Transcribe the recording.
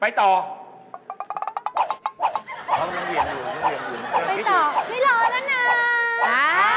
ไปต่อไม่รอแล้วนะ